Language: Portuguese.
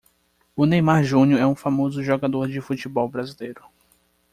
O Neymar Jr é um famoso jogador de futebol brasileiro.